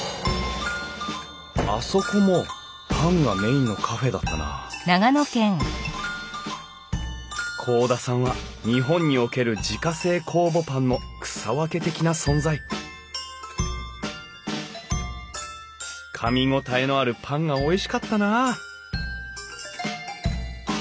あそこもパンがメインのカフェだったな甲田さんは日本における自家製酵母パンの草分け的な存在かみ応えのあるパンがおいしかったなあ